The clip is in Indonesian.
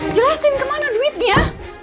jelasin kemana duitnya